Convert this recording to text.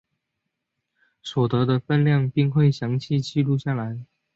所得的份量并会详细记录下来。